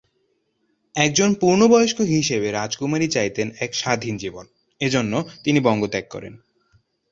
একজন পূর্ণবয়স্ক হিসাবে রাজকুমারী চাইতেন এক স্বাধীন জীবন এজন্য তিনি বঙ্গ ত্যাগ করেন।